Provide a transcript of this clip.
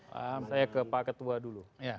saya ke pak ketua dulu